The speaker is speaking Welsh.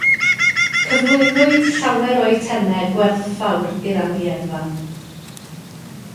Cyflwynwyd llawer o eitemau gwerthfawr i'r amgueddfa.